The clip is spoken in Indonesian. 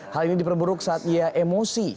hal ini diperburuk saat ia emosi